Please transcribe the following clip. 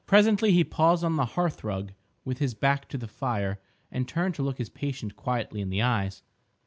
Presently he paused on the hearthrug, with his back to the fire, and turned to look his patient quietly in the eyes.